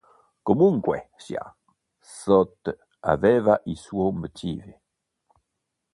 Comunque sia, Soth aveva i suoi motivi.